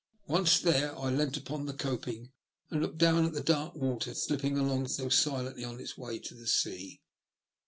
Once there I leant upon the coping and looked down at the dark water slipping along so silently on its way to the sea.